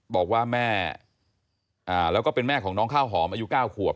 บอกว่าแม่แล้วก็เป็นแม่ของน้องข้าวหอมอายุ๙ขวบ